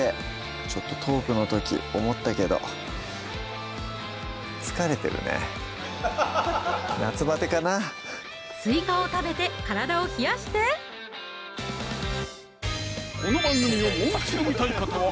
ちょっとトークの時思ったけど疲れてるね夏バテかなすいかを食べて体を冷やしてこの番組をもう一度見たい方は